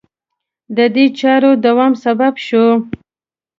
د دې چارې دوام سبب شو